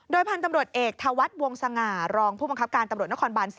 พันธุ์ตำรวจเอกธวัฒน์วงสง่ารองผู้บังคับการตำรวจนครบาน๔